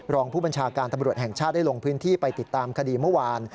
รองผู้บัญชาการตำรวจแห่งชาติได้ลงพื้นที่ไปติดตามคดีเมื่อวาน